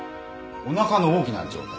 お腹の大きな状態？